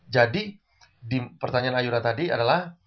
jadi pertanyaan ayura tadi adalah